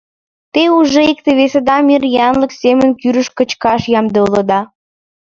Те уже икте-весыдам ир янлык семын кӱрышт кышкаш ямде улыда!